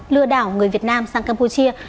lừa đảo người việt nam sang campuchia